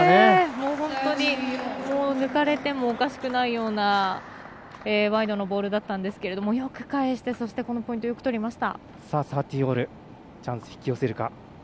もう本当に抜かれてもおかしくないようなワイドのボールだったんですがよく返して、そしてポイントよくとりました。